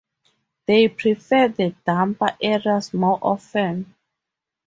They prefer the damper areas more often.